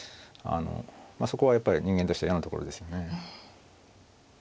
そこはやっぱり人間として嫌なところですよね。